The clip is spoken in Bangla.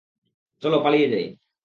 চল পালিয়ে যাই!